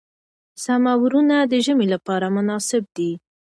سمورونه د ژمي لپاره مناسب دي.